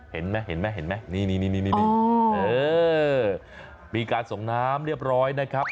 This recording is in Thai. เห็นไหมเห็นไหมนี่มีการส่งน้ำเรียบร้อยนะครับ